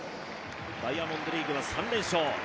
ダイヤモンドリーグは３連勝。